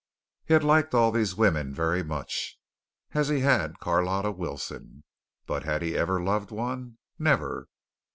He had liked all these women very much, as he had Carlotta Wilson, but had he ever loved one? Never.